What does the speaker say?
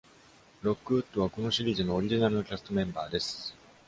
ロックウッドはこのシリーズのオリジナルのキャストメンバーです。